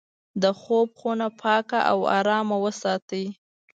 د خوب خونه پاکه او ارامه وساتئ.